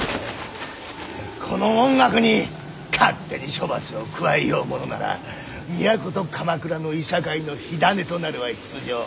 この文覚に勝手に処罰を加えようものなら都と鎌倉のいさかいの火種となるは必定。